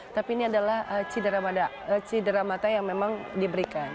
tapi ini adalah cedera mata yang memang diberikan